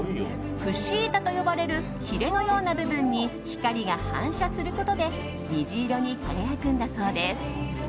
櫛板と呼ばれるヒレのような部分に光が反射することで虹色に輝くんだそうです。